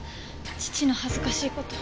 父の恥ずかしい事を。